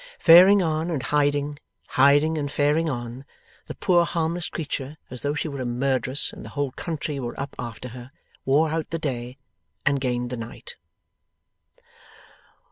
Faring on and hiding, hiding and faring on, the poor harmless creature, as though she were a Murderess and the whole country were up after her, wore out the day, and gained the night.